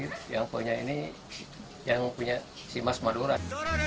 yang punya ini yang punya si mas madura